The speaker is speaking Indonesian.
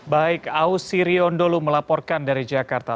yang menyebutkan ini adalah kekacauan dari pihak kpu